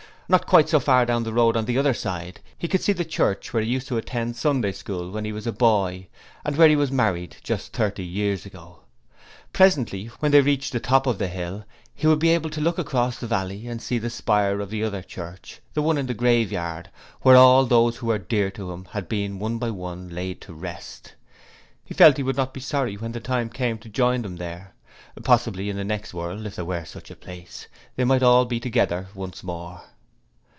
Not quite so far down the road on the other side he could see the church where he used to attend Sunday School when he was a boy, and where he was married just thirty years ago. Presently when they reached the top of the hill he would be able to look across the valley and see the spire of the other church, the one in the graveyard, where all those who were dear to him had been one by one laid to rest. He felt that he would not be sorry when the time came to join them there. Possibly, in the next world if there were such a place they might all be together once more.